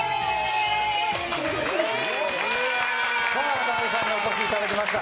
渡邉さんにお越しいただきました。